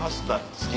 好き！